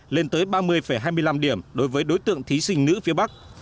lên tới ba mươi hai mươi năm điểm đối với đối tượng thí sinh nữ phía bắc